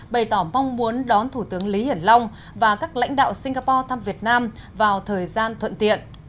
bày tỏ mong muốn đón thủ tướng lý hiển long và các lãnh đạo singapore thăm việt nam vào thời gian thuận tiện